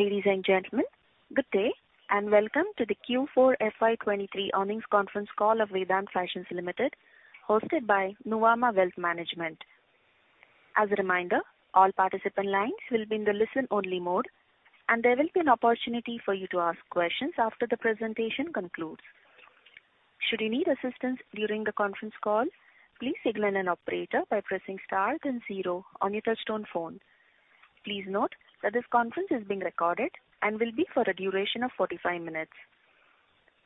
Ladies and gentlemen, good day, welcome to the Q4 FY 23 earnings conference call of Vedant Fashions Limited, hosted by Nuvama Wealth Management. As a reminder, all participant lines will be in the listen-only mode, and there will be an opportunity for you to ask questions after the presentation concludes. Should you need assistance during the conference call, please signal an operator by pressing Star then 0 on your touchtone phone. Please note that this conference is being recorded and will be for a duration of 45 minutes.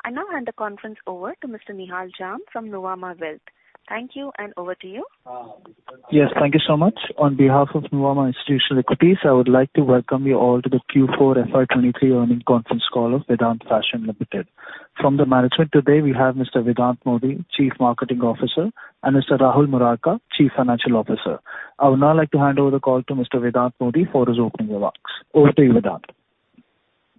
I now hand the conference over to Mr. Nihal Jham from Nuvama Wealth. Thank you, over to you. Yes, thank you so much. On behalf of Nuvama Institutional Equities, I would like to welcome you all to the Q4 FY23 earning conference call of Vedant Fashions Limited. From the management today, we have Mr. Vedant Modi, Chief Marketing Officer, and Mr. Rahul Murarka, Chief Financial Officer. I would now like to hand over the call to Mr. Vedant Modi for his opening remarks. Over to you, Vedant.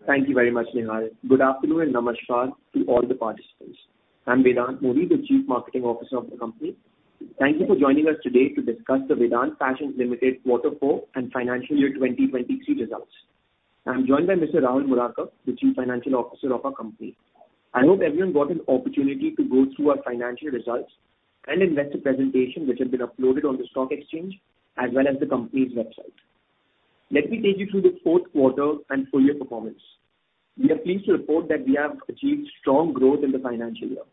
Thank you very much, Nihal. Good afternoon and namaskar to all the participants. I'm Vedant Modi, the Chief Marketing Officer of the company. Thank you for joining us today to discuss the Vedant Fashions Limited Quarter Four and Financial Year 2023 results. I am joined by Mr. Rahul Murarka, the Chief Financial Officer of our company. I hope everyone got an opportunity to go through our financial results and investor presentation, which have been uploaded on the stock exchange as well as the company's website. Let me take you through the fourth quarter and full year performance. We are pleased to report that we have achieved strong growth in the financial year.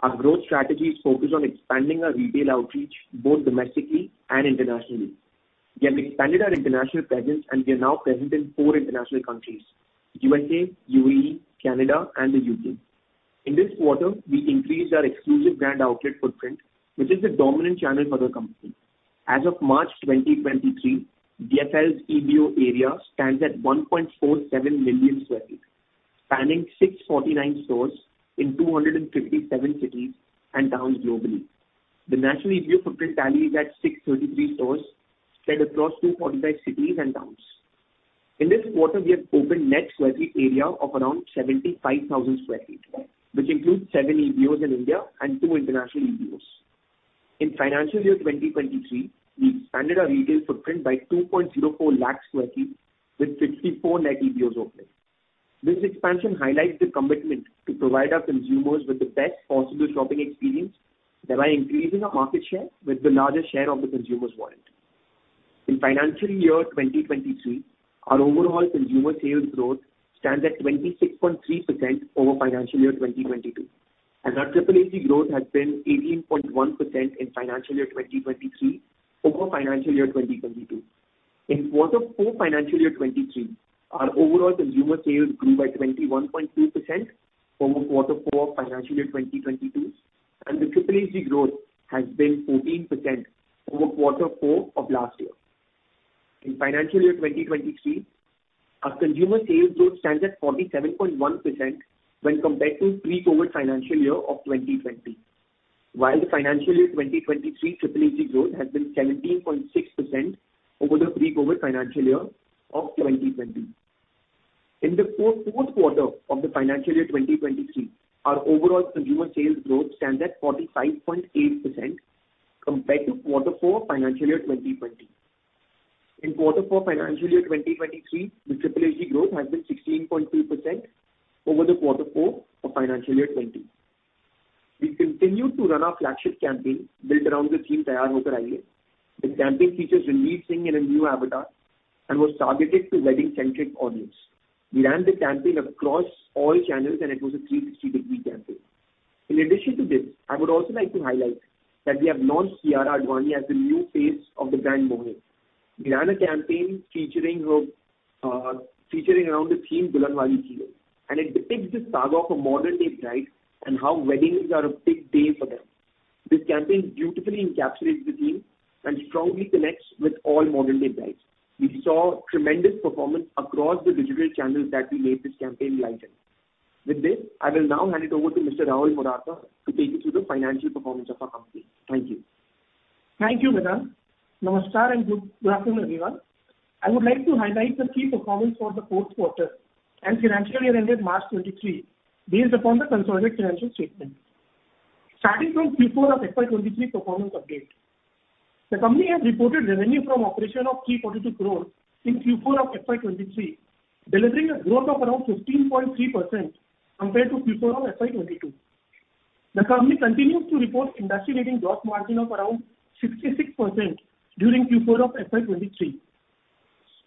Our growth strategy is focused on expanding our retail outreach both domestically and internationally. We have expanded our international presence, and we are now present in 4 international countries, USA, UAE, Canada, and the U.K. In this quarter, we increased our exclusive brand outlet footprint, which is the dominant channel for the company. As of March 2023, VFL's EBO area stands at 1.47 million square feet, spanning 649 stores in 257 cities and towns globally. The national EBO footprint tally is at 633 stores spread across 245 cities and towns. In this quarter, we have opened net square feet area of around 75,000 square feet, which includes seven EBOs in India and two international EBOs. In financial year 2023, we expanded our retail footprint by 2.04 lakh square feet with 64 net EBOs opened. This expansion highlights the commitment to provide our consumers with the best possible shopping experience while increasing our market share with the largest share of the consumer's wallet. In financial year 2023, our overall consumer sales growth stands at 26.3% over financial year 2022, and our SSSG growth has been 18.1% in financial year 2023 over financial year 2022. In quarter four financial year 2023, our overall consumer sales grew by 21.2% over quarter four financial year 2022, and the SSSG growth has been 14% over quarter four of last year. In financial year 2023, our consumer sales growth stands at 47.1% when compared to pre-COVID financial year of 2020. While the financial year 2023 SSSG growth has been 17.6% over the pre-COVID financial year of 2020. In the fourth quarter of the financial year 2023, our overall consumer sales growth stands at 45.8% compared to quarter four financial year 2020. In Q4 FY2023, the SSSG growth has been 16.2% over the Q4 of FY20. We continue to run our flagship campaign built around the theme, Taiyaar Ho Kar Aaiye. The campaign features Ranveer Singh in a new avatar and was targeted to wedding-centric audience. We ran the campaign across all channels. It was a 360-degree campaign. In addition to this, I would also like to highlight that we have launched Kiara Advani as the new face of the brand Mohey. We ran a campaign featuring her, featuring around the theme, Dulhan Wali Feeling, and it depicts the saga of a modern-day bride and how weddings are a big day for them. This campaign beautifully encapsulates the theme and strongly connects with all modern-day brides. We saw tremendous performance across the digital channels that we made this campaign live in. With this, I will now hand it over to Mr. Rahul Murarka to take you through the financial performance of our company. Thank you. Thank you, Vedant. Namaskar and good afternoon, everyone. I would like to highlight the key performance for the fourth quarter and financial year ended March 23 based upon the consolidated financial statement. Starting from Q4 of FY 23 performance update. The company has reported revenue from operation of 342 crore in Q4 of FY 23, delivering a growth of around 15.3% compared to Q4 of FY 22. The company continues to report industry leading gross margin of around 66% during Q4 of FY 23.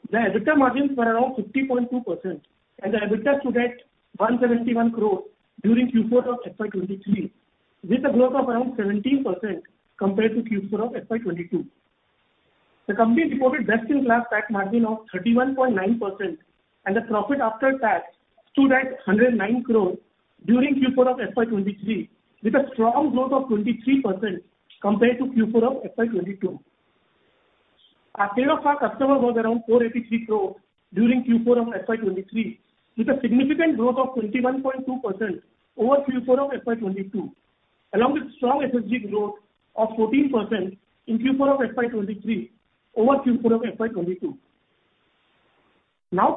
The EBITDA margins were around 50.2%, and the EBITDA stood at 171 crore during Q4 of FY 23, with a growth of around 17% compared to Q4 of FY 22. The company reported best-in-class tax margin of 31.9%, the PAT stood at 109 crore during Q4 of FY23, with a strong growth of 23% compared to Q4 of FY22. Our sales to our customer was around 483 crore during Q4 of FY23, with a significant growth of 21.2% over Q4 of FY22, along with strong SSG growth of 14% in Q4 of FY23 over Q4 of FY22.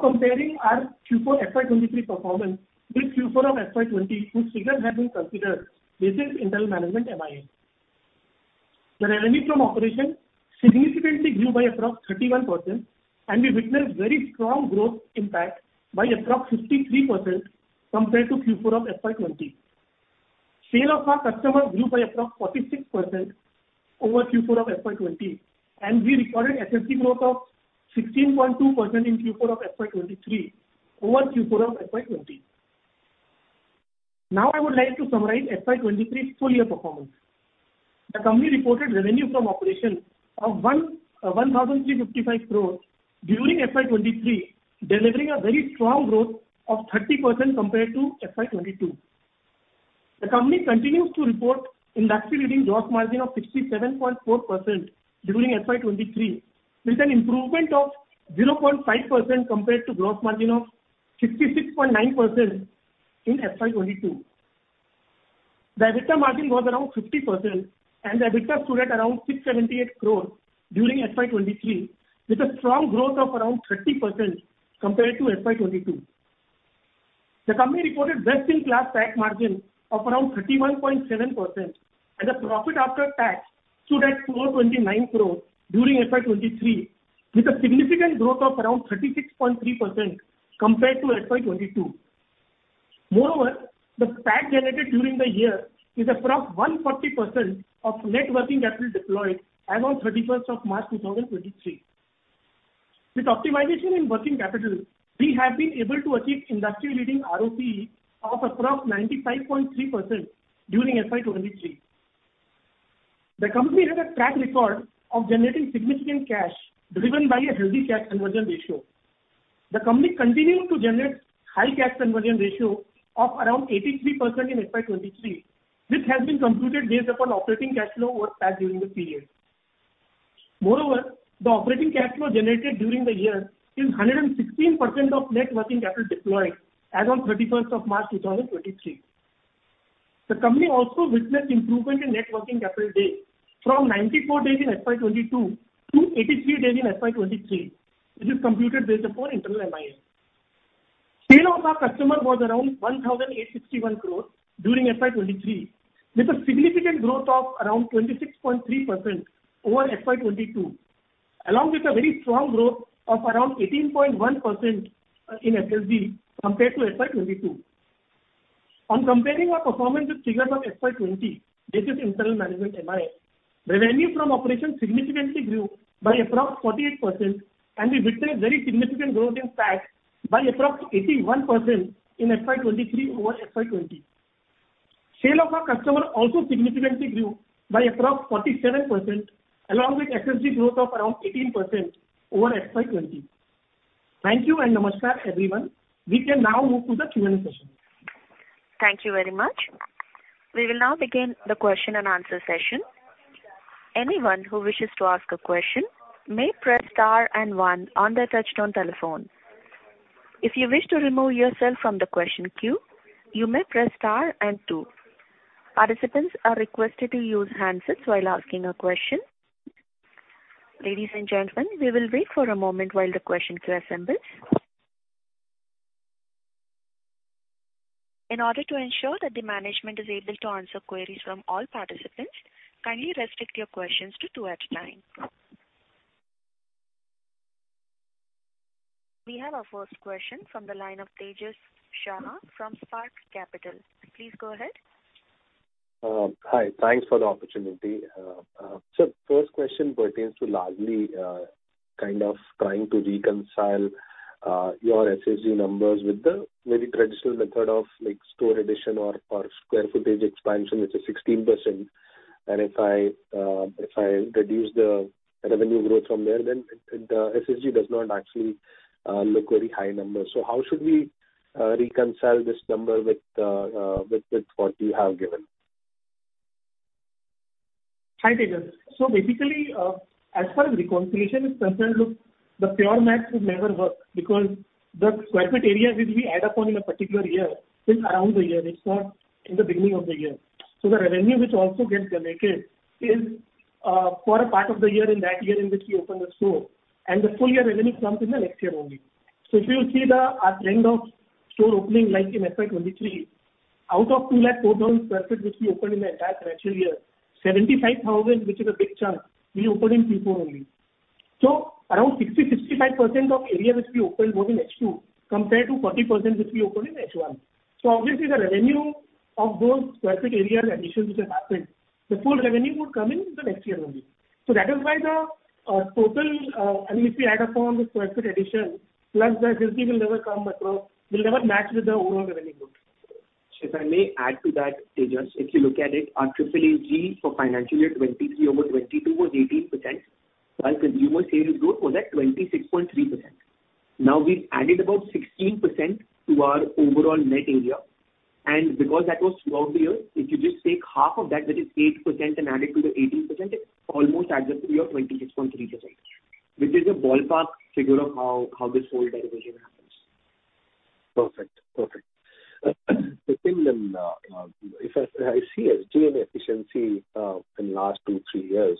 Comparing our Q4 FY23 performance with Q4 of FY20 whose figures have been considered based on internal management MIS. The revenue from operation significantly grew by approx 31%, we witnessed very strong growth impact by approx 53% compared to Q4 of FY20. Sale of our customer grew by approx 46% over Q4 of FY 2020, and we recorded SSG growth of 16.2% in Q4 of FY 2023 over Q4 of FY 2020. Now I would like to summarize FY 2023 full year performance. The company reported revenue from operations of 1,355 crores during FY 2023, delivering a very strong growth of 30% compared to FY 2022. The company continues to report industry-leading gross margin of 67.4% during FY 2023, with an improvement of 0.5% compared to gross margin of 66.9% in FY 2022. The EBITDA margin was around 50% and the EBITDA stood at around 678 crores during FY 2023, with a strong growth of around 30% compared to FY 2022. The company reported best-in-class PAT margin of around 31.7%, and the profit after tax stood at 429 crores during FY23, with a significant growth of around 36.3% compared to FY22. The PAT generated during the year is approx 140% of net working capital deployed as on March 31, 2023. With optimization in working capital, we have been able to achieve industry-leading ROCE of approx 95.3% during FY23. The company has a track record of generating significant cash driven by a healthy cash conversion ratio. The company continued to generate high cash conversion ratio of around 83% in FY23, which has been computed based upon operating cash flow over PAT during the period. The operating cash flow generated during the year is 116% of net working capital deployed as on March 31, 2023. The company also witnessed improvement in net working capital days from 94 days in FY22 to 83 days in FY23, which is computed based upon internal MIS. Sale of our customer was around 1,861 crores during FY23, with a significant growth of around 26.3% over FY22, along with a very strong growth of around 18.1% in SSG compared to FY22. On comparing our performance with figures of FY20, this is internal management MIS, revenue from operations significantly grew by approx 48%, we witnessed very significant growth in PAT by approx 81% in FY23 over FY20. Sale of our customer also significantly grew by approx 47%, along with SSG growth of around 18% over FY 20. Thank you and namaskar everyone. We can now move to the Q&A session. Thank you very much. We will now begin the question and answer session. Anyone who wishes to ask a question may press star and one on their touchtone telephone. If you wish to remove yourself from the question queue, you may press star and two. Participants are requested to use handsets while asking a question. Ladies and gentlemen, we will wait for a moment while the question queue assembles. In order to ensure that the management is able to answer queries from all participants, kindly restrict your questions to two at a time. We have our first question from the line of Tejas Shah from Spark Capital. Please go ahead. Hi. Thanks for the opportunity. First question pertains to largely kind of trying to reconcile your SSG numbers with the very traditional method of like store addition or square footage expansion, which is 16%. If I reduce the revenue growth from there, then the SSG does not actually look very high number. How should we reconcile this number with what you have given? Hi, Tejas. Basically, as far as reconciliation is concerned, look, the pure math will never work because the square foot area which we add up on in a particular year is around the year. It's not in the beginning of the year. The revenue which also gets generated is for a part of the year in that year in which we open the store, and the full year revenue comes in the next year only. If you see our trend of store opening, like in FY23, out of 204,000 sq ft which we opened in the entire financial year, 75,000, which is a big chunk, we opened in Q4 only. Around 60%-65% of area which we opened was in H2, compared to 40% which we opened in H1. Obviously the revenue of those square feet area additions which has happened, the full revenue would come in the next year only. That is why the total and if we add up on the square feet addition plus the SSG will never come across, will never match with the overall revenue growth. If I may add to that, Tejas, if you look at it, our triple AG for financial year 2023 over 2022 was 18%, while consumer sales growth was at 26.3%. Now we've added about 16% to our overall net area. Because that was throughout the year, if you just take half of that is 8% and add it to the 18%, it almost adds up to your 26.3%, which is a ballpark figure of how this whole derivation happens. Perfect. Perfect. If I see SG&E efficiency in last two, three years.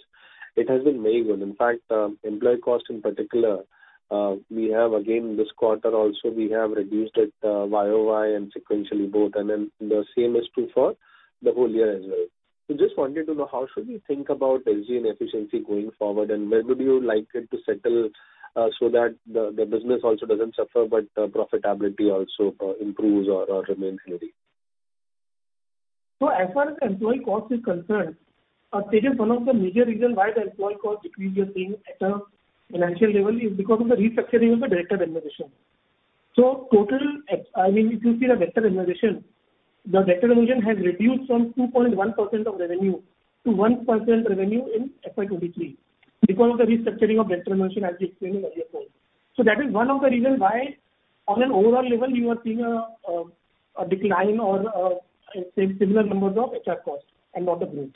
It has been very good. In fact, employee cost in particular, we have again this quarter also we have reduced it, YOY and sequentially both. The same is true for the whole year as well. We just wanted to know how should we think about SG&A efficiency going forward and where would you like it to settle, so that the business also doesn't suffer but profitability also improves or remains healthy. As far as employee cost is concerned, Tejas, one of the major reasons why the employee cost decrease we are seeing at a financial level is because of the restructuring of the director remuneration. I mean, if you see the director remuneration, the director remuneration has reduced from 2.1% of revenue to 1% revenue in FY23 because of the restructuring of director remuneration, as we explained in earlier calls. That is one of the reasons why on an overall level you are seeing a decline or say, similar numbers of HR costs and not the growth.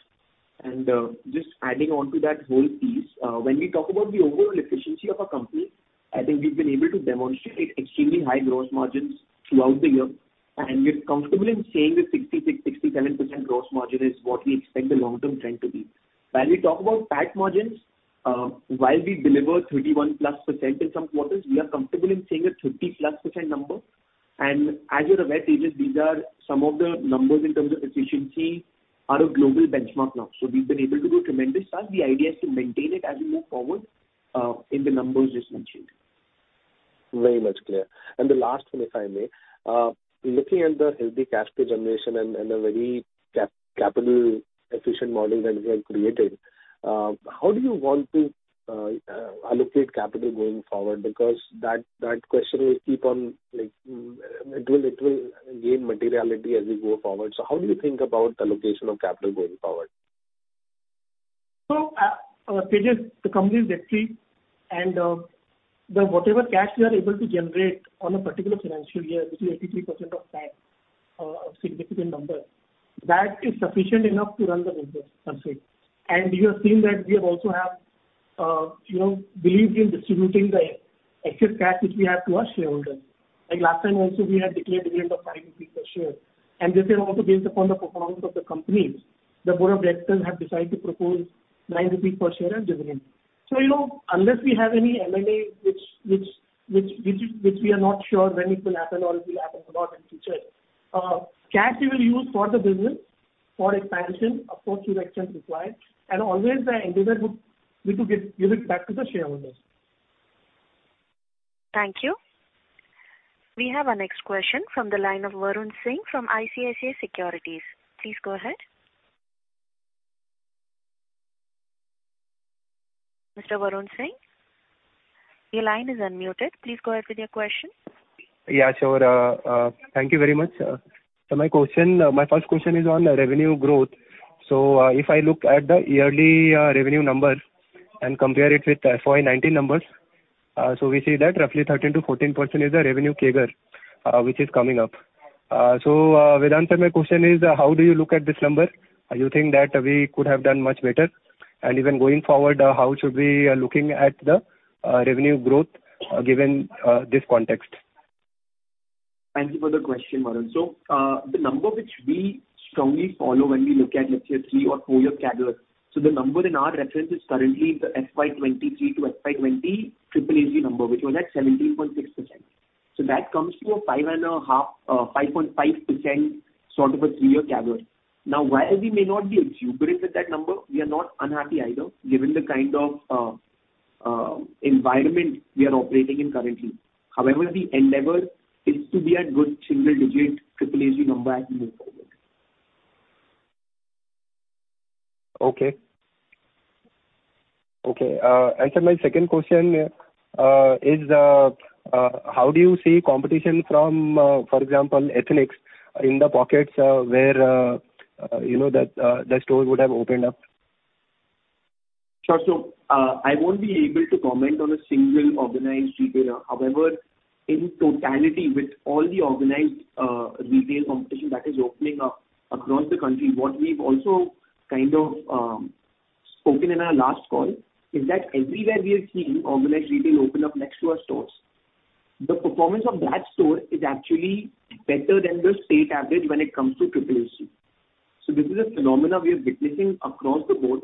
Just adding on to that whole piece, when we talk about the overall efficiency of a company, I think we've been able to demonstrate extremely high gross margins throughout the year. We're comfortable in saying that 66%-67% gross margin is what we expect the long-term trend to be. When we talk about PAT margins, while we deliver 31%+ in some quarters, we are comfortable in saying a 30%+ number. As you're aware, Tejas, these are some of the numbers in terms of efficiency are a global benchmark now. We've been able to do tremendous stuff. The idea is to maintain it as we move forward, in the numbers just mentioned. Very much clear. The last one, if I may. Looking at the healthy cash flow generation and a very capital efficient model that you have created, how do you want to allocate capital going forward? Because that question will keep on, like, it will gain materiality as we go forward. How do you think about allocation of capital going forward? Tejas, the company is debt-free and the whatever cash we are able to generate on a particular financial year, which is 83% of PAT, a significant number, that is sufficient enough to run the business per se. You have seen that we have also, you know, believed in distributing the excess cash which we have to our shareholders. Like last time also we had declared dividend of 5 rupees per share. This is also based upon the performance of the company. The board of directors have decided to propose 9 rupees per share as dividend. You know, unless we have any M&A which we are not sure when it will happen or it will happen or not in future, cash we will use for the business, for expansion, of course, to the extent required, and always the endeavor would be to give it back to the shareholders. Thank you. We have our next question from the line of Varun Singh from ICICI Securities. Please go ahead. Mr. Varun Singh, your line is unmuted. Please go ahead with your question. Thank you very much. My question, my first question is on revenue growth. If I look at the yearly revenue numbers and compare it with FY19 numbers, we see that roughly 13%-14% is the revenue CAGR, which is coming up. Vedant, my question is how do you look at this number? You think that we could have done much better? Even going forward, how should we looking at the revenue growth, given this context? Thank you for the question, Varun. The number which we strongly follow when we look at, let's say, a 3- or 4-year CAGR. The number in our reference is currently the FY23 to FY20 triple AG number, which was at 17.6%. That comes to a 5.5% sort of a 3-year CAGR. While we may not be exuberant with that number, we are not unhappy either, given the kind of environment we are operating in currently. The endeavor is to be at good single-digit triple AG number as we move forward. Okay. Sir my second question is how do you see competition from, for example, Ethnix in the pockets where, you know, that the stores would have opened up? Sure. I won't be able to comment on a single organized retailer. However, in totality with all the organized retail competition that is opening up across the country, what we've also kind of spoken in our last call is that everywhere we are seeing organized retail open up next to our stores. The performance of that store is actually better than the state average when it comes to triple AC. This is a phenomena we are witnessing across the board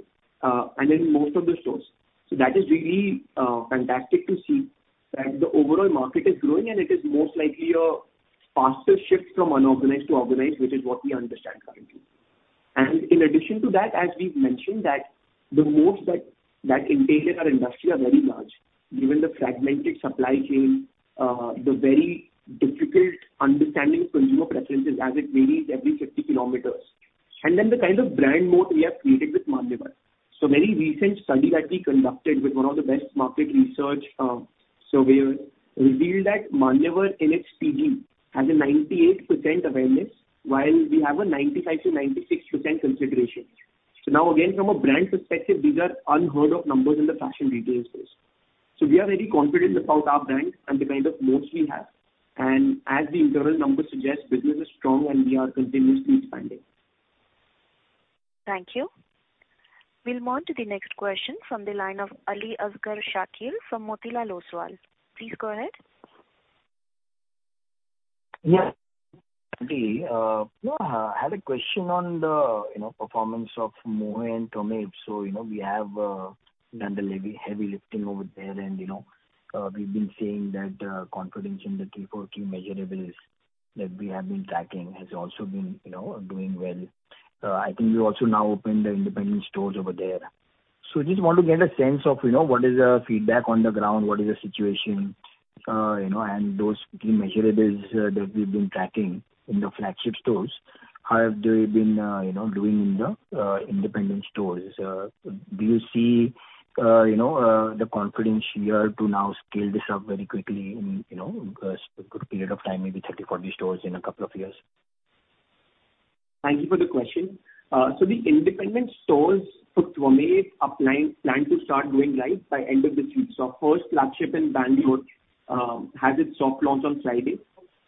and in most of the stores. That is really fantastic to see that the overall market is growing and it is most likely a faster shift from unorganized to organized, which is what we understand currently. In addition to that, as we've mentioned that the moats that entail in our industry are very large, given the fragmented supply chain, the very difficult understanding of consumer preferences as it varies every 50 kilometers. Then the kind of brand moat we have created with Manyavar. Very recent study that we conducted with one of the best market research surveys revealed that Manyavar in its PD has a 98% awareness, while we have a 95%-96% consideration. Now again, from a brand perspective, these are unheard of numbers in the fashion retail space. We are very confident about our brand and the kind of moats we have. As the internal numbers suggest, business is strong and we are continuously expanding. Thank you. We'll move to the next question from the line of Aliasgar Shakir from Motilal Oswal. Please go ahead. Yes. Andy, yeah, I had a question on the, you know, performance of Mohey and Twamev. You know, we have done the heavy lifting over there and, you know, we've been seeing that confidence in the 3, 4 key measurables that we have been tracking has also been, you know, doing well. I think you also now opened the independent stores over there. Just want to get a sense of, you know, what is the feedback on the ground? What is the situation? You know, those key measurables that we've been tracking in the flagship stores, how have they been, you know, doing in the independent stores? Do you see, you know, the confidence here to now scale this up very quickly in, you know, a good period of time, maybe 30, 40 stores in a couple of years? Thank you for the question. The independent stores for Twamev are planned to start going live by end of this week. Our first flagship in Bangalore has its soft launch on Friday,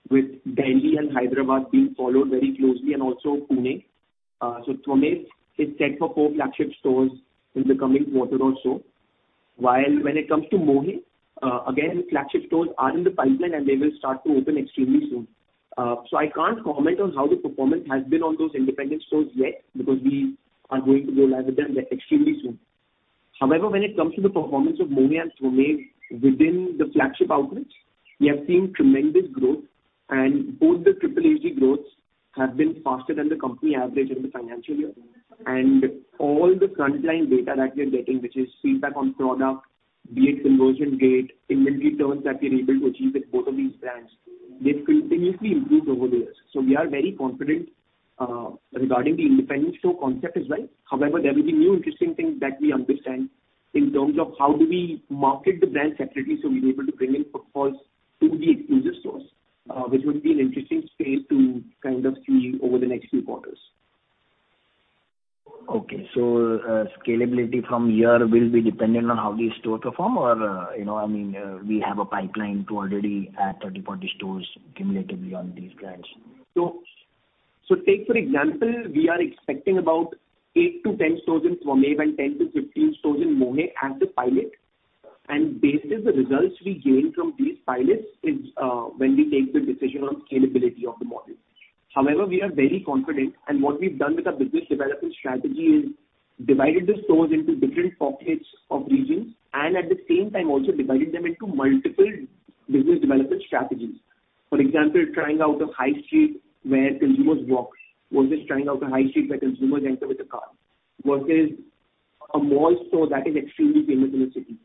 with Delhi and Hyderabad being followed very closely and also Pune. Twamev is set for four flagship stores in the coming quarter or so. While when it comes to Mohey, again, flagship stores are in the pipeline, and they will start to open extremely soon. I can't comment on how the performance has been on those independent stores yet because we are going to go live with them extremely soon. However, when it comes to the performance of Mohey and Twamev within the flagship outlets, we have seen tremendous growth and both the triple AG growths have been faster than the company average in the financial year. All the frontline data that we're getting, which is feedback on product, be it conversion rate, inventory turns that we're able to achieve with both of these brands, they've continuously improved over the years. We are very confident regarding the independent store concept as well. However, there will be new interesting things that we understand in terms of how do we market the brand separately, so we're able to bring in footfalls to the exclusive stores, which will be an interesting space to kind of see over the next few quarters. Okay. scalability from here will be dependent on how these stores perform or, you know, I mean, we have a pipeline to already add 30, 40 stores cumulatively on these brands. Take for example, we are expecting about 8-10 stores in Twamev and 10-15 stores in Mohey as the pilot. Based on the results we gain from these pilots is when we take the decision on scalability of the model. However, we are very confident and what we've done with our business development strategy is divided the stores into different pockets of regions and at the same time also divided them into multiple business development strategies. For example, trying out a high street where consumers walk versus trying out a high street where consumers enter with a car versus a mall store that is extremely famous in the city.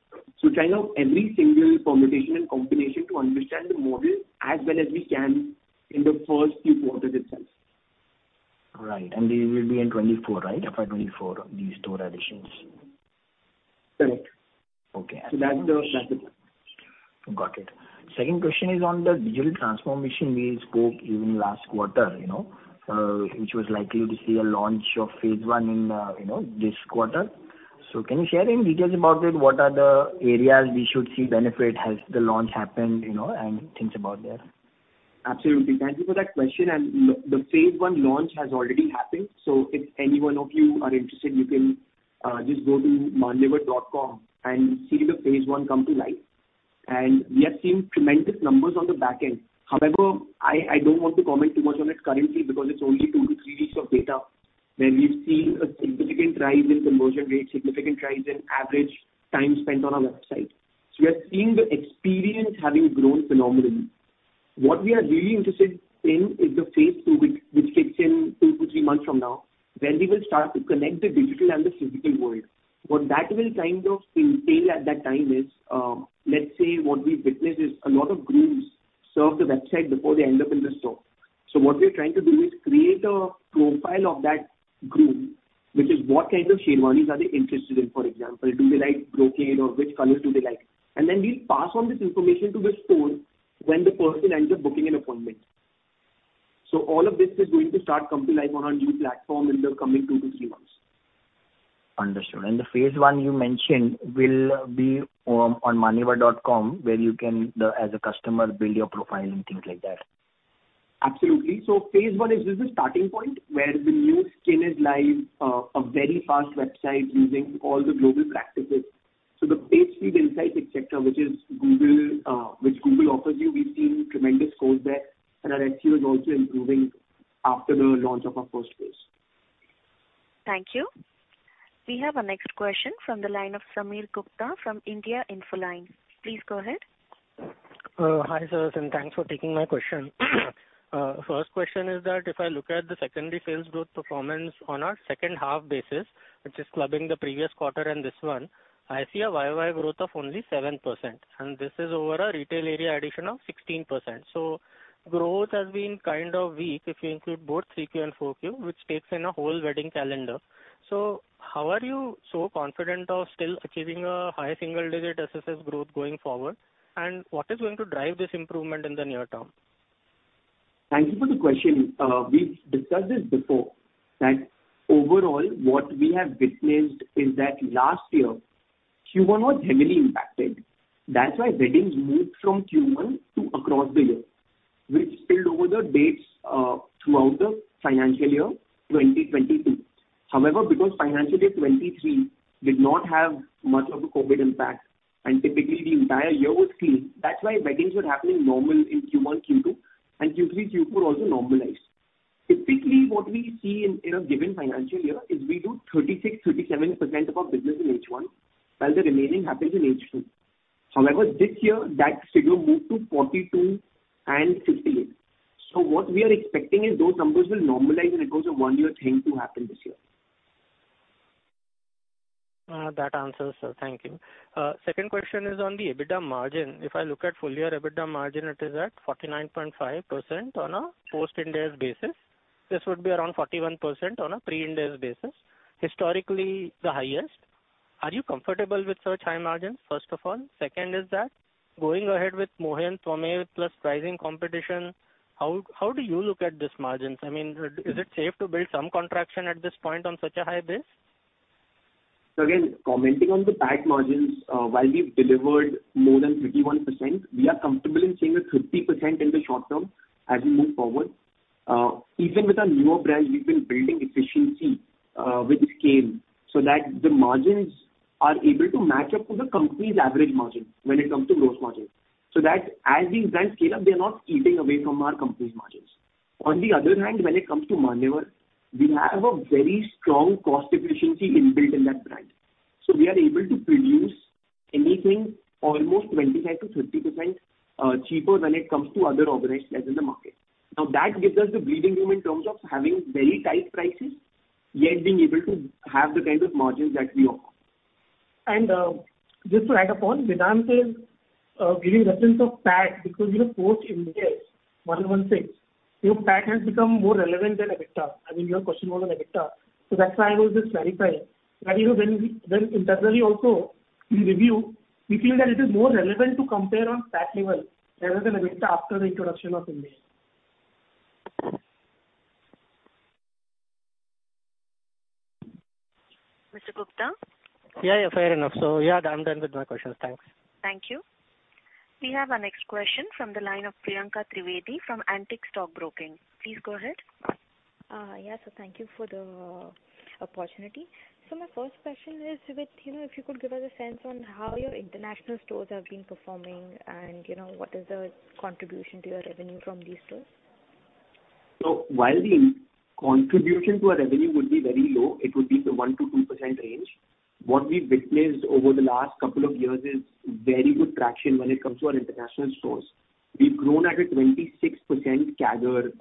Trying out every single permutation and combination to understand the model as well as we can in the first few quarters itself. All right. They will be in 2024, right? FY 2024, these store additions. Correct. Okay. That's it. Got it. Second question is on the digital transformation we scoped even last quarter, you know, which was likely to see a launch of phase 1 in, you know, this quarter. Can you share any details about it? What are the areas we should see benefit? Has the launch happened, you know, and things about there? Absolutely. Thank you for that question. The phase one launch has already happened. If any one of you are interested, you can just go to manyavar.com and see the phase one come to life. We have seen tremendous numbers on the back end. However, I don't want to comment too much on it currently because it's only two to three weeks of data where we've seen a significant rise in conversion rate, significant rise in average time spent on our website. We are seeing the experience having grown phenomenally. What we are really interested in is the phase two which kicks in two to three months from now, when we will start to connect the digital and the physical world. What that will kind of entail at that time is, let's say what we've witnessed is a lot of grooms surf the website before they end up in the store. What we're trying to do is create a profile of that groom, which is what kind of sherwanis are they interested in, for example. Do they like brocade or which colors do they like? Then we pass on this information to the store when the person ends up booking an appointment. All of this is going to start come to life on our new platform in the coming two to three months. Understood. The phase one you mentioned will be on manyavar.com, where you can, as a customer, build your profile and things like that. Absolutely. Phase one is just a starting point where the new skin is live, a very fast website using all the global practices. The PageSpeed Insights, et cetera, which is Google, which Google offers you, we've seen tremendous scores there, and our SEO is also improving after the launch of our first phase. Thank you. We have our next question from the line of Sameer Gupta from India Infoline. Please go ahead. Hi, sirs, thanks for taking my question. First question is that if I look at the secondary sales growth performance on our second half basis, which is clubbing the previous quarter and this one, I see a Y-o-Y growth of only 7%, and this is over a retail area addition of 16%. Growth has been kind of weak if you include both 3Q and 4Q, which takes in a whole wedding calendar. How are you so confident of still achieving a high single digit SSS growth going forward? What is going to drive this improvement in the near term? Thank you for the question. We've discussed this before, that overall what we have witnessed is that last year, Q1 was heavily impacted. Weddings moved from Q1 to across the year, which spilled over the dates throughout the financial year 2022. Because financial year 2023 did not have much of a COVID impact, and typically the entire year was clean, that's why weddings were happening normal in Q1, Q2, and Q3, Q4 also normalized. Typically, what we see in a given financial year is we do 36%-37% of our business in H1, while the remaining happens in H2. This year that figure moved to 42% and 58%. What we are expecting is those numbers will normalize and it goes to one year thing to happen this year. That answers, sir. Thank you. Second question is on the EBITDA margin. If I look at full year EBITDA margin, it is at 49.5% on a post-Ind AS basis. This would be around 41% on a pre-Ind AS basis, historically the highest. Are you comfortable with such high margins, first of all? Second is that going ahead with Mohey, for me, with plus pricing competition, how do you look at these margins? Is it safe to build some contraction at this point on such a high base? Again, commenting on the PAT margins, while we've delivered more than 31%, we are comfortable in saying that 30% in the short term as we move forward. Even with our newer brands, we've been building efficiency with scale so that the margins are able to match up to the company's average margin when it comes to gross margins. That as these brands scale up, they are not eating away from our company's margins. On the other hand, when it comes to Manyavar, we have a very strong cost efficiency inbuilt in that brand. We are able to produce anything almost 25%-30% cheaper when it comes to other organized players in the market. That gives us the breathing room in terms of having very tight prices, yet being able to have the kind of margins that we offer. Just to add upon, Vedant says, giving reference of PAT because, you know, post Ind AS 116, you know, PAT has become more relevant than EBITDA. I mean, your question was on EBITDA. That's why I was just clarifying that, you know, when internally also we review, we feel that it is more relevant to compare on PAT level rather than EBITDA after the introduction of Ind AS. Mr. Gupta? Yeah, yeah, fair enough. Yeah, I'm done with my questions. Thanks. Thank you. We have our next question from the line of Priyanka Trivedi from Antique Stock Broking. Please go ahead. Yeah. Thank you for the opportunity. My first question is with, you know, if you could give us a sense on how your international stores have been performing and, you know, what is the contribution to your revenue from these stores? While the contribution to our revenue would be very low, it would be the 1%-2% range. What we've witnessed over the last couple of years is very good traction when it comes to our international stores. We've grown at a 26% CAGR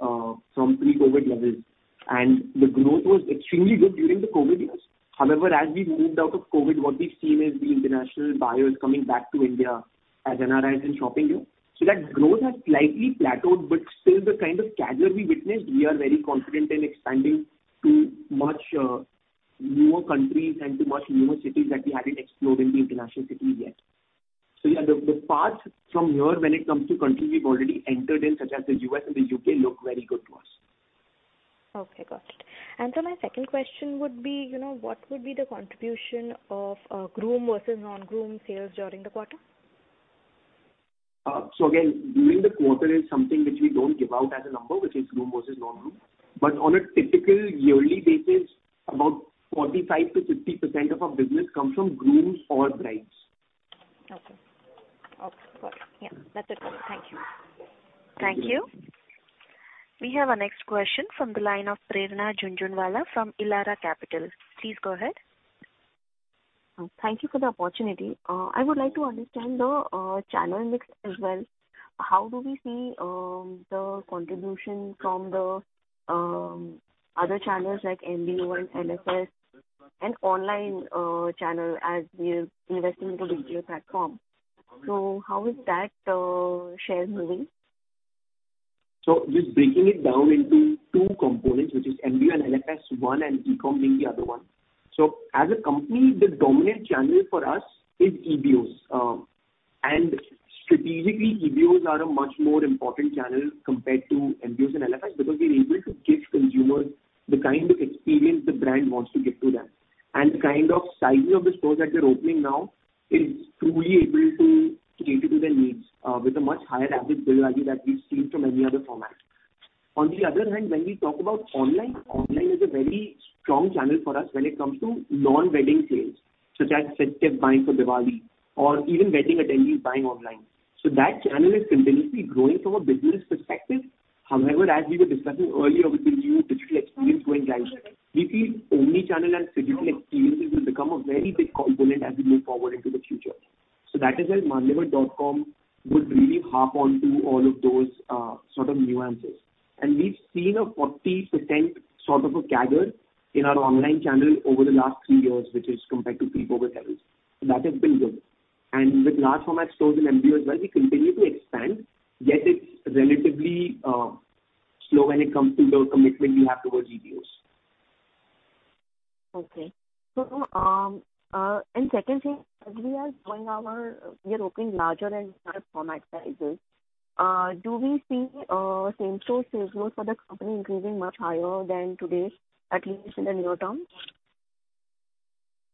from pre-COVID levels, and the growth was extremely good during the COVID years. As we moved out of COVID, what we've seen is the international buyers coming back to India as NRIs and shopping here. That growth has slightly plateaued, but still the kind of CAGR we witnessed, we are very confident in expanding to much newer countries and to much newer cities that we haven't explored in the international cities yet. Yeah, the path from here when it comes to countries we've already entered in, such as the U.S. and the U.K., look very good to us. Okay, got it. My second question would be, you know, what would be the contribution of groom versus non-groom sales during the quarter? Again, during the quarter is something which we don't give out as a number, which is groom versus non-groom. On a typical yearly basis, about 45%-60% of our business comes from grooms or brides. Okay. Okay, got it. Yeah, that's it for me. Thank you. Thank you. We have our next question from the line of Prerna Jhunjunwala from Elara Capital. Please go ahead. Thank you for the opportunity. I would like to understand the channel mix as well. How do we see the contribution from the other channels like MBO and LFS and online channel as we are investing into digital platform? How is that share moving? Just breaking it down into two components, which is MBO and LFS, one, and e-com being the other one. As a company, the dominant channel for us is EBOs. Strategically, EBOs are a much more important channel compared to MBOs and LFS because we're able to give consumers the kind of experience the brand wants to give to them. The kind of sizing of the stores that we are opening now is truly able to cater to their needs, with a much higher average bill value that we've seen from any other format. On the other hand, when we talk about online is a very strong channel for us when it comes to non-wedding sales, such as festive buying for Diwali or even wedding attendees buying online. That channel is continuously growing from a business perspective. However, as we were discussing earlier with the new digital experience going live, we feel omni-channel and physical experiences will become a very big component as we move forward into the future. That is where manyavar.com would really harp on to all of those, sort of nuances. We've seen a 40% sort of a CAGR in our online channel over the last 3 years, which is compared to pre-COVID levels. That has been good. With large format stores in MBO as well, we continue to expand, yet it's relatively slow when it comes to the commitment we have towards EBOs. Okay. Second thing, as we are growing we are opening larger and larger format sizes, do we see same-store sales growth for the company increasing much higher than today's, at least in the near term?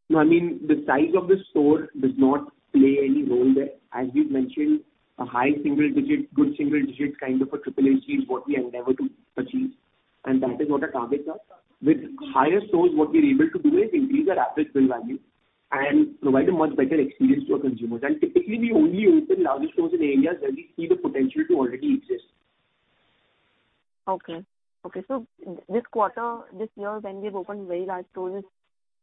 No, I mean, the size of the store does not play any role there. As we've mentioned, a high single digit, good single digit kind of a 3-year CAGR is what we endeavor to achieve, and that is what our targets are. With higher stores, what we're able to do is increase our average bill value and provide a much better experience to our consumers. Typically, we only open larger stores in areas where we see the potential to already exist. Okay. Okay. This quarter, this year, when we've opened very large stores,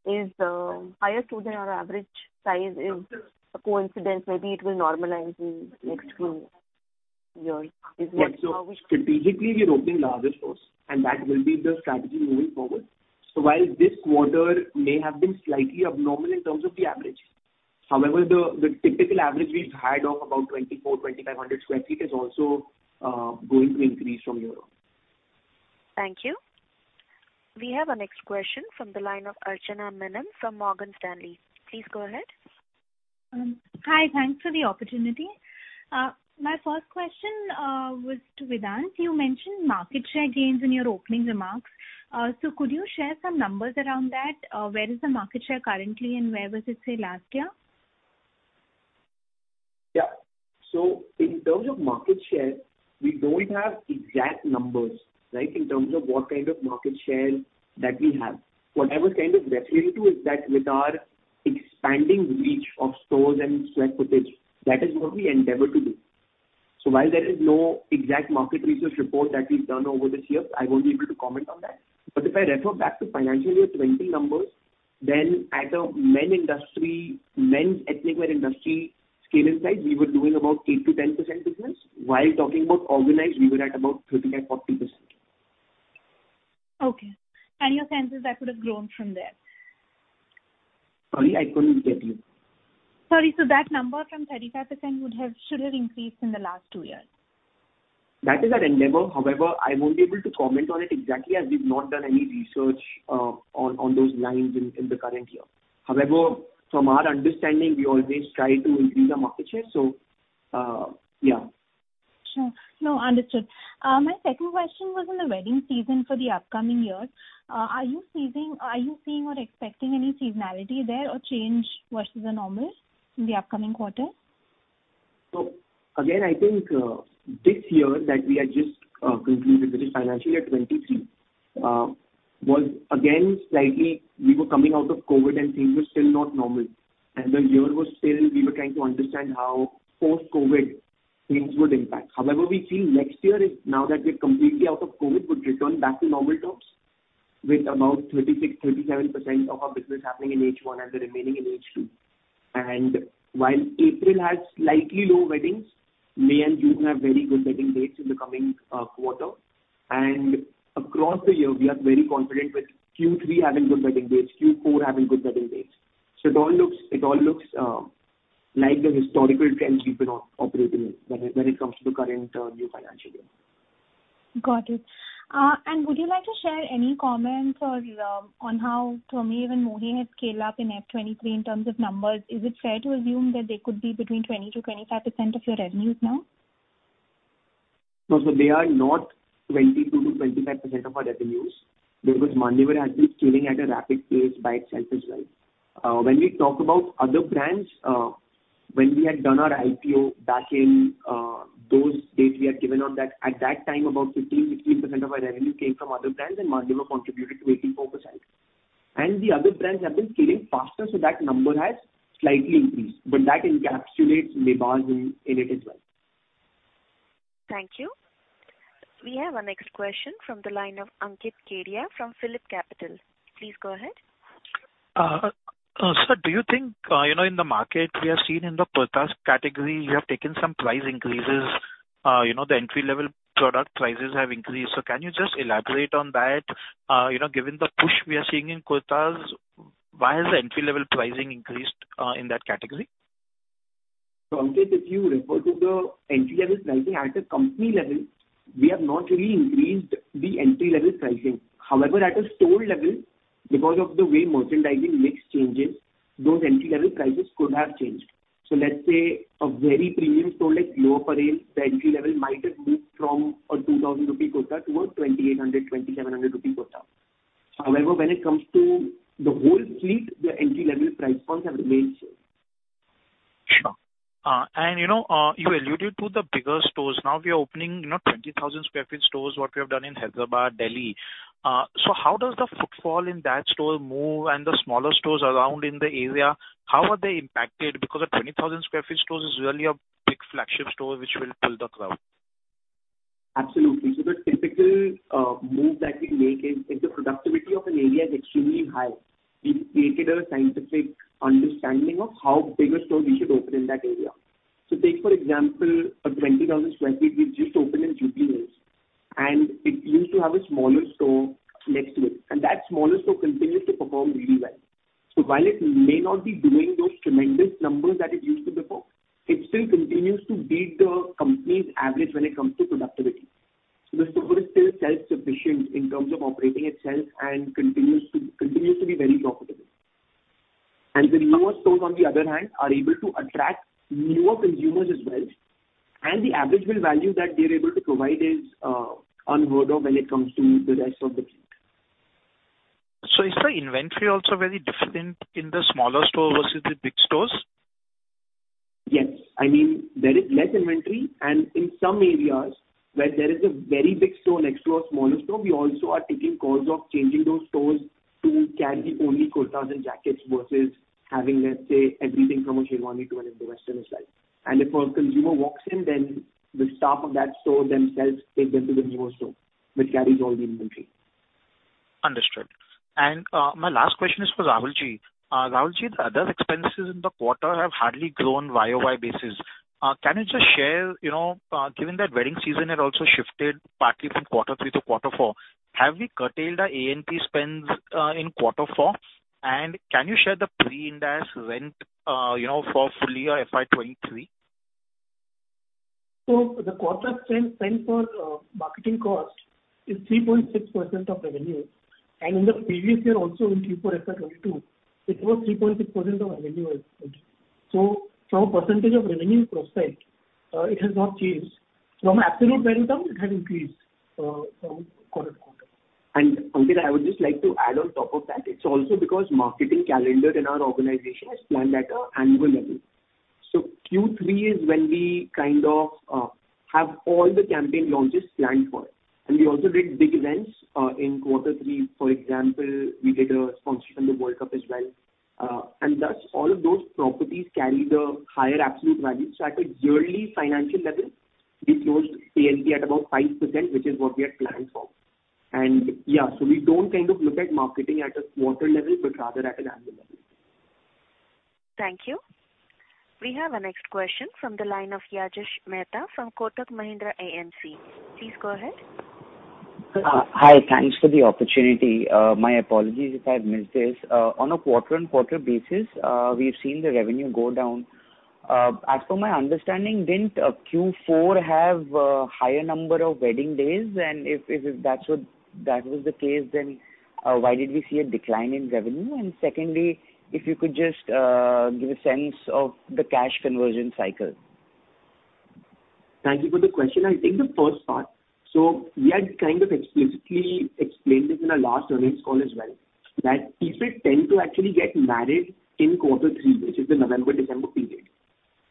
is higher store than our average size is a coincidence? Maybe it will normalize in next few years. Is that how. Right. Strategically we are opening larger stores and that will be the strategy moving forward. While this quarter may have been slightly abnormal in terms of the average, however, the typical average we've had of about 2,400-2,500 sq ft is also going to increase from here on. Thank you. We have our next question from the line of Archana Menon from Morgan Stanley. Please go ahead. Hi. Thanks for the opportunity. My first question was to Vedant. You mentioned market share gains in your opening remarks. Could you share some numbers around that? Where is the market share currently and where was it, say, last year? Yeah. In terms of market share, we don't have exact numbers, right, in terms of what kind of market share that we have. What I was kind of referring to is that with our expanding reach of stores and square footage, that is what we endeavor to do. While there is no exact market research report that we've done over this year, I won't be able to comment on that. If I refer back to financial year 20 numbers, then at a men industry, men's ethnic wear industry scale and size, we were doing about 8-10% business. While talking about organized, we were at about 35-40%. Okay. Your sense is that could have grown from there? Sorry, I couldn't get you. Sorry. That number from 35% would have, should have increased in the last two years. That is our endeavor. I won't be able to comment on it exactly, as we've not done any research, on those lines in the current year. However, from our understanding, we always try to increase our market share. Yeah. Sure. No, understood. My second question was on the wedding season for the upcoming year. Are you seeing or expecting any seasonality there or change versus the normal in the upcoming quarter? Again, I think, this year that we had just concluded, which is financial year 2023, was again slightly, we were coming out of COVID and things were still not normal and the year was still we were trying to understand how post-COVID things would impact. However, we feel next year is now that we're completely out of COVID, would return back to normal terms with about 36%, 37% of our business happening in H1 and the remaining in H2. While April has slightly low weddings, May and June have very good wedding dates in the coming quarter. Across the year we are very confident with Q3 having good wedding dates, Q4 having good wedding dates. It all looks like the historical trends we've been operating in when it comes to the current new financial year. Got it. Would you like to share any comments or on how Twamev and Mohey have scaled up in FY23 in terms of numbers? Is it fair to assume that they could be between 20%-25% of your revenues now? No. They are not 20%-25% of our revenues because Mebaz has been scaling at a rapid pace by itself as well. When we talk about other brands, when we had done our IPO back in those days, we had given on that. At that time, about 15%, 16% of our revenue came from other brands. Mebaz contributed to 84%. The other brands have been scaling faster, so that number has slightly increased. That encapsulates Mebaz in it as well. Thank you. We have our next question from the line of Ankit Kedia from PhillipCapital. Please go ahead. Sir, do you think, you know, in the market we are seeing in the kurtas category, you have taken some price increases, you know, the entry-level product prices have increased? Can you just elaborate on that? You know, given the push we are seeing in kurtas, why has the entry-level pricing increased, in that category? Ankit, if you refer to the entry-level pricing at a company level, we have not really increased the entry-level pricing. However, at a store level, because of the way merchandising mix changes, those entry-level prices could have changed. Let's say a very premium store like Lower Parel, the entry level might have moved from a 2,000 rupee kurta to a 2,800 rupee, 2,700 rupee kurta. However, when it comes to the whole fleet, the entry level price points have remained same. Sure. You know, you alluded to the bigger stores. Now we are opening, you know, 20,000 sq ft stores, what we have done in Hyderabad, Delhi. How does the footfall in that store move? The smaller stores around in the area, how are they impacted? Because a 20,000 sq ft stores is really a big flagship store which will pull the crowd. Absolutely. The typical move that we make is if the productivity of an area is extremely high, we've created a scientific understanding of how big a store we should open in that area. Take, for example, a 20,000 sq ft we've just opened in GT Road, and it used to have a smaller store next to it, and that smaller store continues to perform really well. While it may not be doing those tremendous numbers that it used to before, it still continues to beat the company's average when it comes to productivity. The store is still self-sufficient in terms of operating itself and continues to be very profitable. The newer stores, on the other hand, are able to attract newer consumers as well. The average bill value that they're able to provide is on par when it comes to the rest of the fleet. Is the inventory also very different in the smaller store versus the big stores? Yes. I mean, there is less inventory, and in some areas where there is a very big store next to a smaller store, we also are taking calls of changing those stores to carry only kurtas and jackets versus having, let's say, everything from a sherwani to an Indo-western as well. If a consumer walks in, then the staff of that store themselves take them to the newer store which carries all the inventory. Understood. My last question is for Rahulji. Rahulji, the other expenses in the quarter have hardly grown YOY basis. Can you just share, you know, given that wedding season had also shifted partly from quarter 3 to quarter 4, have we curtailed our A&P spends in quarter 4? Can you share the pre-index rent, you know, for full year FY23? The quarter spend for marketing cost is 3.6% of revenue. In the previous year also in Q4 FY22, it was 3.6% of revenue as well. From a percentage of revenue prospect, it has not changed. From absolute value term, it has increased from current quarter. Ankit, I would just like to add on top of that, it's also because marketing calendar in our organization is planned at a annual level. Q3 is when we kind of have all the campaign launches planned for. We also did big events in quarter three, for example, we did a sponsorship in the World Cup as well. Thus all of those properties carry the higher absolute value. At a yearly financial level, we closed A&P at about 5%, which is what we had planned for. Yeah, we don't kind of look at marketing at a quarter level, but rather at an annual level. Thank you. We have our next question from the line of Yajash Mehta from Kotak Mahindra AMC. Please go ahead. Hi. Thanks for the opportunity. My apologies if I've missed this. On a quarter-on-quarter basis, we've seen the revenue go down. As per my understanding, didn't Q4 have a higher number of wedding days? If that was the case, then why did we see a decline in revenue? Secondly, if you could just give a sense of the cash conversion cycle. Thank you for the question. I think the first part, so we had kind of explicitly explained this in our last earnings call as well, that people tend to actually get married in quarter three, which is the November, December period.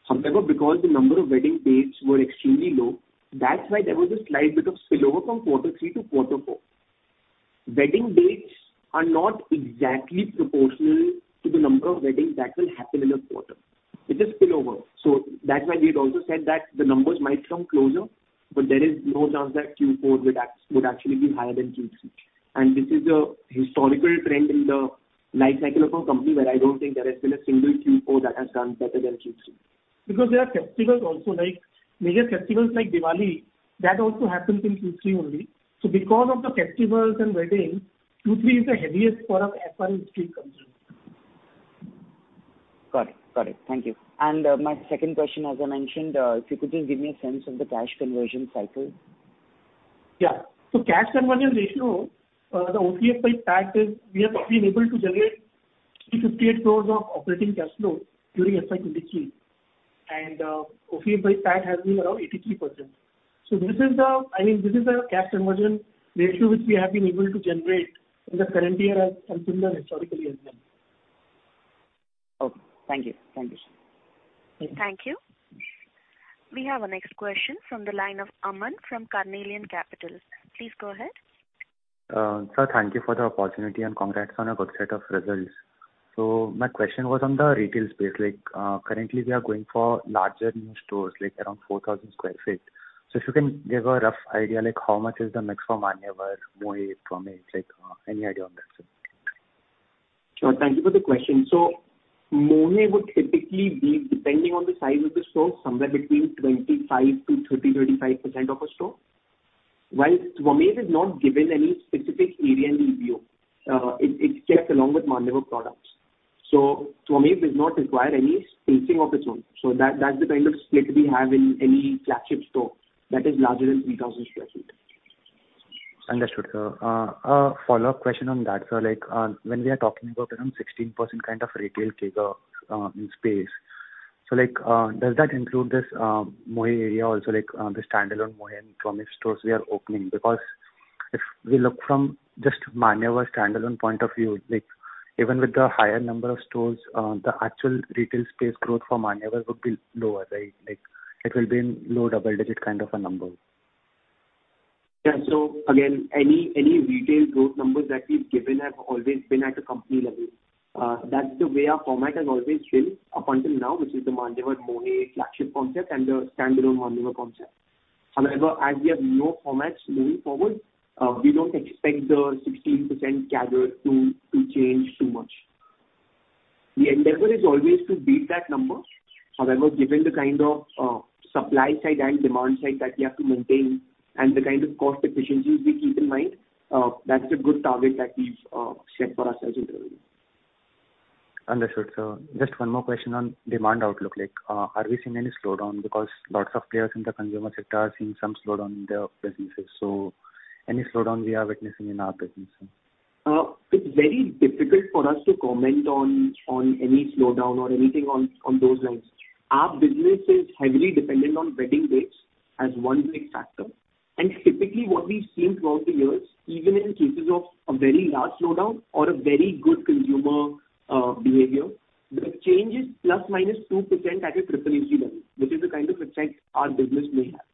However, because the number of wedding dates were extremely low, that's why there was a slight bit of spill-over from quarter three to quarter four. Wedding dates are not exactly proportional to the number of weddings that will happen in a quarter. It is spill-over. That's why we had also said that the numbers might come closer, but there is no chance that Q4 would actually be higher than Q3. This is a historical trend in the life cycle of a company where I don't think there has been a single Q4 that has done better than Q3. Because there are festivals also, like major festivals like Diwali, that also happens in Q3 only. Because of the festivals and weddings, Q3 is the heaviest quarter as far as retail is concerned. Got it. Thank you. My second question, as I mentioned, if you could just give me a sense of the cash conversion cycle. Yeah. cash conversion ratio, the OCF by PAT is we have been able to generate 58 crores of operating cash flow during FY2023, and OCF by PAT has been around 83%. I mean, this is the cash conversion ratio which we have been able to generate in the current year and similar historically as well. Okay. Thank you. Thank you. Thank you. We have our next question from the line of Aman from Carnelian Capital. Please go ahead. Sir, thank you for the opportunity, and congrats on a good set of results. My question was on the retail space. Like, currently we are going for larger new stores, like around 4,000 sq ft. If you can give a rough idea, like how much is the mix from Manyavar, Mohey, Twamev, like, any idea on that, sir? Sure. Thank you for the question. Mohey would typically be depending on the size of the store, somewhere between 25%-30%, 35% of a store. While Twamev is not given any specific area in EBO, it's kept along with Manyavar products. Twamev does not require any spacing of its own. That's the kind of split we have in any flagship store that is larger than 3,000 sq ft. Understood, sir. A follow-up question on that, sir. Like, when we are talking about around 16% kind of retail CAGR, in space, like, does that include this Mohey area also, like, the standalone Mohey and Twamev stores we are opening? If we look from just Manyavar standalone point of view, like even with the higher number of stores, the actual retail space growth for Manyavar would be lower, right? Like it will be in low double-digit kind of a number. Again, any retail growth numbers that we've given have always been at a company level. That's the way our format has always been up until now, which is the Manyavar Mohey flagship concept and the standalone Manyavar concept. However, as we have more formats moving forward, we don't expect the 16% CAGR to change too much. The endeavor is always to beat that number. However, given the kind of, supply side and demand side that we have to maintain and the kind of cost efficiencies we keep in mind, that's a good target that we've set for ourselves internally. Understood, sir. Just one more question on demand outlook. Like, are we seeing any slowdown? Because lots of players in the consumer sector are seeing some slowdown in their businesses. Any slowdown we are witnessing in our business, sir? It's very difficult for us to comment on any slowdown or anything on those lines. Our business is heavily dependent on wedding dates as one big factor. Typically what we've seen throughout the years, even in cases of a very large slowdown or a very good consumer behavior, the change is plus minus 2% at a triple AC level, which is the kind of effect our business may have.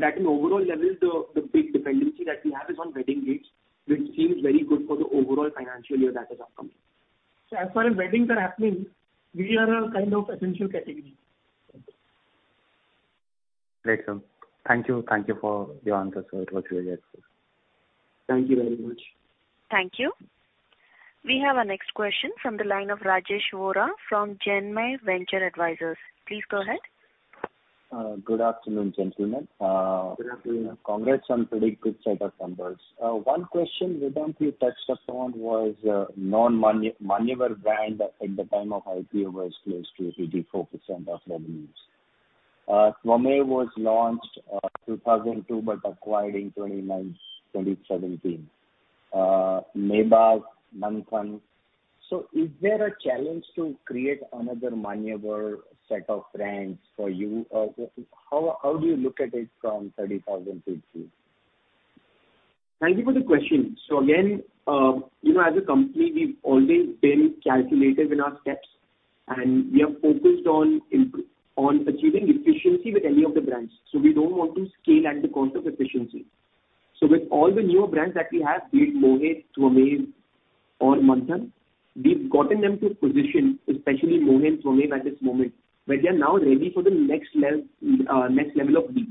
At an overall level, the big dependency that we have is on wedding dates, which seems very good for the overall financial year that has upcoming. As far as weddings are happening, we are a kind of essential category. Great, sir. Thank you. Thank you for the answers, sir. It was really excellent. Thank you very much. Thank you. We have our next question from the line of Rajesh Vora from Jainmay Venture Advisors. Please go ahead. Good afternoon, gentlemen. Good afternoon. Congrats on pretty good set of numbers. One question Vedant you touched upon was, Manyavar brand at the time of IPO was close to 34% of revenues. Twamev was launched, 2002, but acquired in 2017. Mebaz, Manthan. Is there a challenge to create another Manyavar set of brands for you? Or how do you look at it from 30,000 feet view? Thank you for the question. Again, you know, as a company, we've always been calculative in our steps, and we are focused on achieving efficiency with any of the brands. We don't want to scale at the cost of efficiency. With all the newer brands that we have, be it Mohey, Twamev or Manthan, we've gotten them to a position, especially Mohey and Twamev at this moment, where they are now ready for the next level of leap.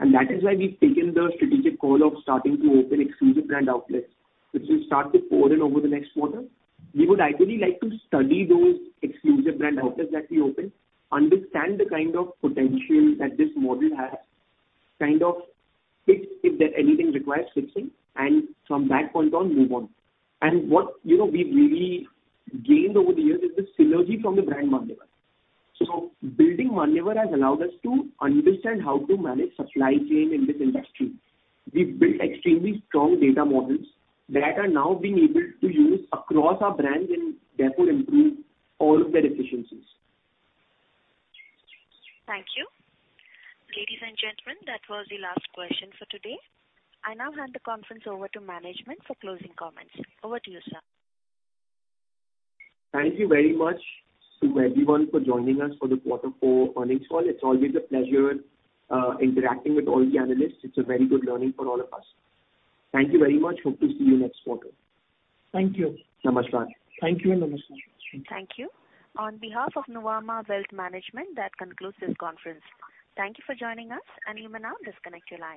That is why we've taken the strategic call of starting to open exclusive brand outlets, which will start with foreign over the next quarter. We would ideally like to study those exclusive brand outlets that we open, understand the kind of potential that this model has, kind of fix if there anything requires fixing, and from that point on, move on. What, you know, we've really gained over the years is the synergy from the brand Manyavar. Building Manyavar has allowed us to understand how to manage supply chain in this industry. We've built extremely strong data models that are now being able to use across our brands and therefore improve all of their efficiencies. Thank you. Ladies and gentlemen, that was the last question for today. I now hand the conference over to management for closing comments. Over to you, sir. Thank you very much to everyone for joining us for the quarter four earnings call. It's always a pleasure, interacting with all the analysts. It's a very good learning for all of us. Thank you very much. Hope to see you next quarter. Thank you. Namaskar. Thank you and namaskar. Thank you. On behalf of Nuvama Wealth Management, that concludes this conference. Thank you for joining us, and you may now disconnect your lines.